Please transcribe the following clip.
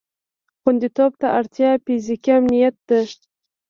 خوندیتوب ته اړتیا فیزیکي امنیت ده.